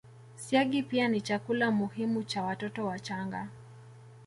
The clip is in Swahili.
Siagi pia ni chakula muhimu cha watoto wachanga